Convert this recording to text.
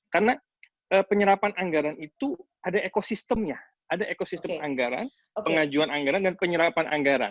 karena penyerapan anggaran itu ada ekosistemnya ada ekosistem anggaran pengajuan anggaran dan penyerapan anggaran